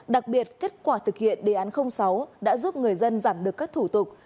đặc biệt kết quả thực hiện đề án sáu đã giúp người dân giảm được các thủ tục